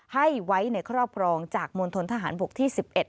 ให้ไว้ในเคราะห์พรองจากมวลทนทหารบุคที่๑๑